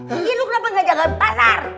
iya lu kenapa nggak jagain pasar